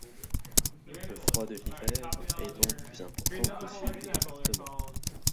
Le froid de l'hiver est donc plus important qu'au sud du département.